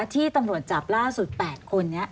ที่ตำรวจจับล่าสุด๘คนนี้